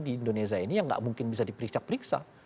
di indonesia ini yang tidak mungkin bisa diperiksa